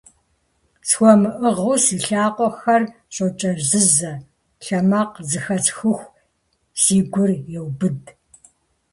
СхуэмыӀыгъыу си лъакъуэхэр щӀокӀэзызэ, лъэмакъ зэхэсхыху, си гур еубыд.